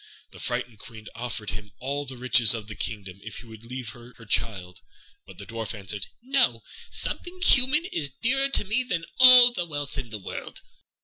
The frightened Queen offered him all the riches of the kingdom if he would leave her her child; but the Dwarf answered, "No; something human is dearer to me than all the wealth of the world."